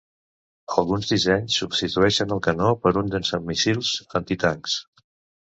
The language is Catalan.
Alguns dissenys substitueixen el canó per un llançamíssils antitancs.